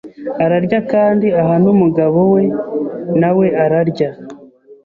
ararya kandi aha n'umugabo we na we ararya